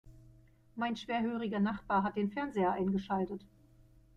Mein schwerhöriger Nachbar hat den Fernseher eingeschaltet.